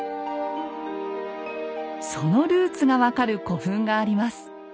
そのルーツが分かる古墳があります。